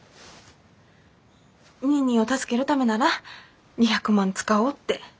ニーニーを助けるためなら２００万使おうって。